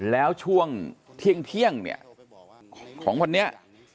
แล้วช่วงเที่ยงของวันนี้